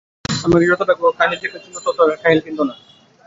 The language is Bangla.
আমাকে যতটা কাহিল দেখাচ্ছে, ততটা কাহিল কিন্তু না।